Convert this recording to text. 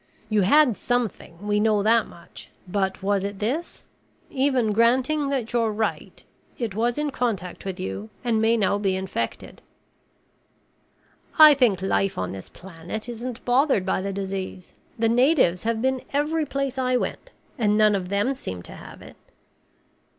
"You had something, we know that much, but was it this? Even granting that you're right, it was in contact with you and may now be infected." "I think life on this planet isn't bothered by the disease. The natives have been every place I went and none of them seemed to have it."